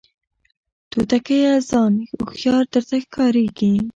توتکیه ځان هوښیار درته ښکاریږي